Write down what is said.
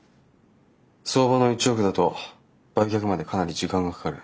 相場の１億だと売却までかなり時間がかかる。